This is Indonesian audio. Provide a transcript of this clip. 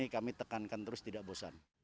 kami tekankan terus tidak bosan